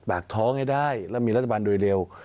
ปากท้องให้ได้และมีรัฐบาลโดยเร็ว